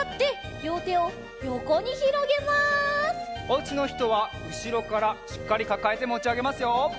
おうちのひとはうしろからしっかりかかえてもちあげますよ。